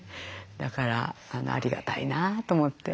だからありがたいなと思って。